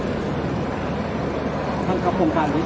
แล้วก็จะกรรมรอดทั้งหมดแล้วก็จะกรรมรอดทั้งหมด